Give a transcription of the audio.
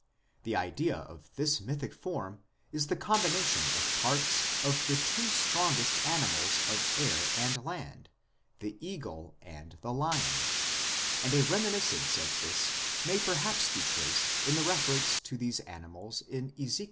2 The idea of this mythic form is the combination of parts of the two strongest animals of air and land the eagle and the lion and a reminiscence of this may perhaps be traced in the reference to these animals in Ezek.